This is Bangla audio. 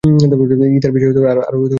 ইথার বিষয়ে পরে আরও আলোচনা করা হবে।